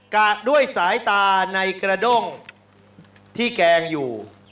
กากด้วยสายตาในกระด้งที่แกงอยู่